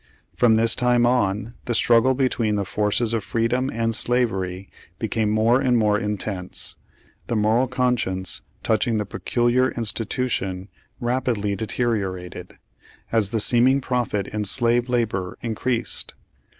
From this time on, the struggle between the forces of freedom and slavery became more and more intense. The moral conscience touching the peculiar institution rapidly deteriorated, as the seeming profit in slave labor increased.